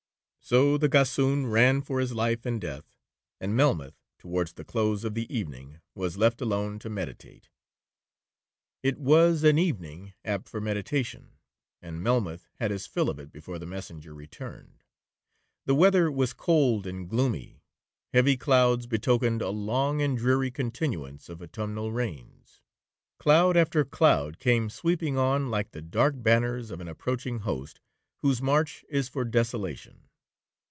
So the gossoon ran for life and death, and Melmoth, towards the close of the evening, was left alone to meditate. It was an evening apt for meditation, and Melmoth had his fill of it before the messenger returned. The weather was cold and gloomy; heavy clouds betokened a long and dreary continuance of autumnal rains; cloud after cloud came sweeping on like the dark banners of an approaching host, whose march is for desolation.